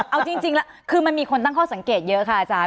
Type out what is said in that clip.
เอาจริงแล้วคือมันมีคนตั้งข้อสังเกตเยอะค่ะอาจารย